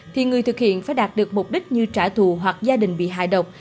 thì người thực hiện phải đạt được mục đích như trả thù hoặc gia đình bị hại độc